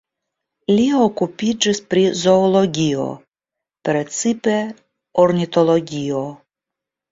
Li okupiĝis pri zoologio, precipe ornitologio.